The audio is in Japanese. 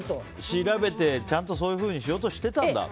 調べて、ちゃんとそういうふうにしてたんだと。